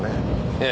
ええ。